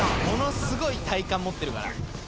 ものすごい体幹持ってるから。